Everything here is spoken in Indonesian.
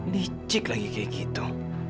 licik lagi kayak gitu